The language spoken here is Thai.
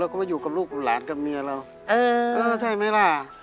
ก็มาอยู่กับลูกหลานกับเมียเราเออใช่ไหมล่ะ